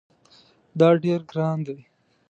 دا ډیر ګران دی